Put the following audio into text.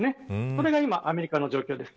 これがアメリカの状況です。